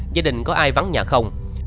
gia đình có ai vắng nhà không